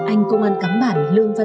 anh công an cắm bản lương vãi